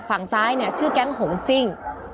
ฝั่งซ้ายเนี่ยชื่อแก๊งหงซิ่ง